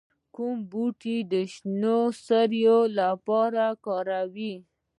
کوم بوټي د شینې سرې لپاره وکاروم؟